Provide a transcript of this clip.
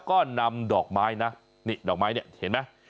ก็นำดอกไม้นะนี่ดอกไม้เนี่ยเห็นไหม